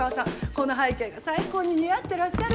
この背景が最高に似合ってらっしゃる。